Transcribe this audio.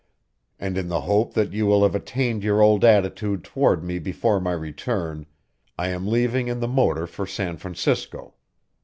And in the hope that you will have attained your old attitude toward me before my return, I am leaving in the motor for San Francisco.